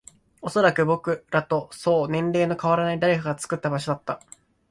おそらく、僕らとそう年齢の変わらない誰かが作った場所だった